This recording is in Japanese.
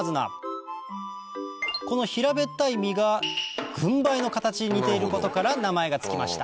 この平べったい実が軍配の形に似ていることから名前が付きました